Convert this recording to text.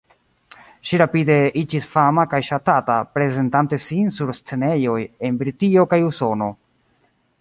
Ŝi rapide iĝis fama kaj ŝatata, prezentante sin sur scenejoj en Britio kaj Usono.